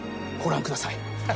ご覧ください。